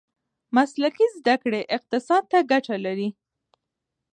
مسلکي زده کړې اقتصاد ته ګټه لري.